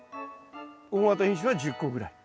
大型品種は１０個ぐらい。